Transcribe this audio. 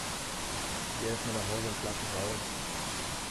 Geh erst mal nach Hause und schlaf dich aus!